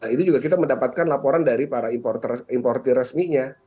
itu juga kita mendapatkan laporan dari para importer resminya